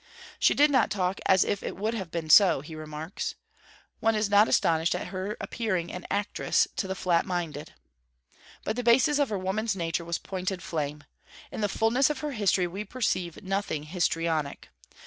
She did not talk as if it would have been so, he remarks. One is not astonished at her appearing an 'actress' to the flat minded. But the basis of her woman's nature was pointed flame: In the fulness of her history we perceive nothing histrionic.